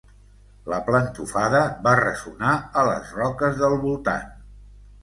La plantofada va ressonar a les roques del voltant.